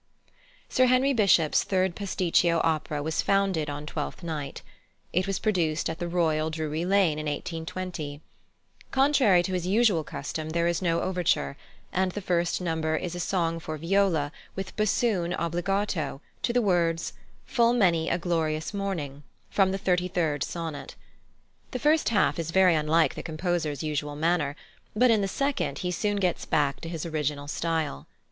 +Sir Henry Bishop's+ third pasticcio opera was founded on Twelfth Night. It was produced at the Royal, Drury Lane, in 1820. Contrary to his usual custom there is no overture, and the first number is a song for viola with bassoon obbligato to the words, "Full many a glorious morning" from the 33rd Sonnet. The first half is very unlike the composer's usual manner, but in the second he soon gets back to his original style.